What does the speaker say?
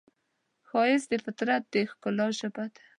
ښایست د فطرت د ښکلا ژبه ده